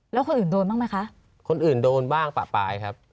แล้วคนอื่นโดนจนไม่คะ